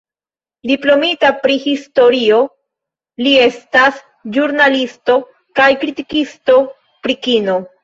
Diplomita pri historio, li estas ĵurnalisto kaj kritikisto pri kino.